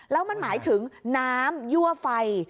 แล้วมันหมายถึงน้ำยั่วไฟ